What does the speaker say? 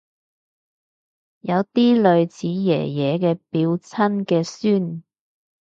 有啲類似爺爺嘅表親嘅孫